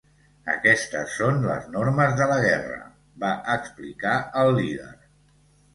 "Aquestes són les normes de la guerra", va explicar el líder.